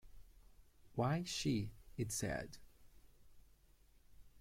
‘Why, she,’ it said.